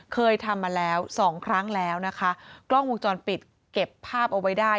เคยทำมาแล้วสองครั้งแล้วนะคะกล้องวงจรปิดเก็บภาพเอาไว้ได้